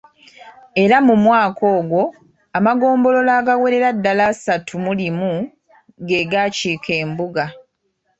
Era mu mwaka ogwo amagombolola agawerera ddala asatu mu limu ge gaakiika embuga.